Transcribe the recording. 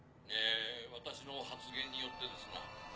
私の発言によってですが。